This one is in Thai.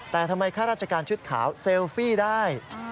แต่ทำไมข้าราชการชุดขาวเซลฟี่ได้